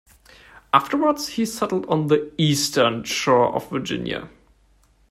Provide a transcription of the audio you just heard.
Afterwards, he settled on the eastern shore of Virginia.